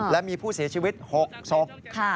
และมีผู้เสียชีวิต๖ศพ